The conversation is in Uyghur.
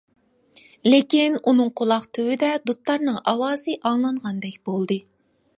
لېكىن ئۇنىڭ قۇلاق تۈۋىدە دۇتارنىڭ ئاۋازى ئاڭلانغاندەك بولدى.